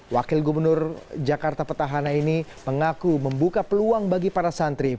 wakil gubernur jakarta petahana ini mengaku membuka peluang bagi para santri